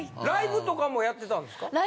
ライブとかもやってたわけですか。